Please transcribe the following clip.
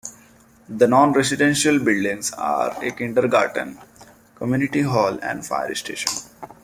The non-residential buildings are a kindergarten, Community Hall and Fire Station.